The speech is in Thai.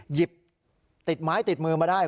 หยิบติดไม้ติดมือมาได้